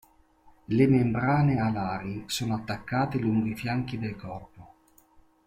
Le membrane alari sono attaccate lungo i fianchi del corpo.